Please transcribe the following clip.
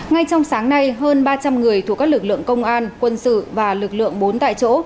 ngay trong sáng nay hơn ba trăm linh người thuộc các lực lượng công an quân sự và lực lượng bốn tại chỗ